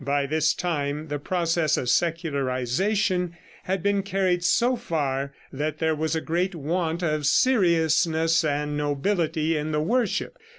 By this time the process of secularization had been carried so far that there was a great want of seriousness and nobility in the worship.